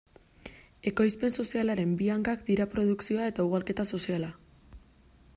Ekoizpen sozialaren bi hankak dira produkzioa eta ugalketa soziala.